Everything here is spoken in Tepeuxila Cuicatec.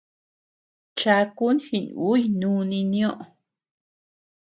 Chakun jinùy núni nioʼö.